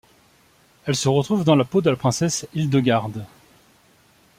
Elle se retrouve dans la peau de la princesse Hildegarde.